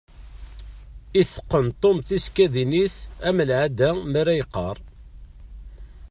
Iteqqen Tom tisekkadin-is am lɛada mi ara yeqqar.